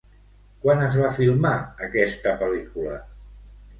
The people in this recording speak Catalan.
Quan es va filmar aquesta pel·lícula?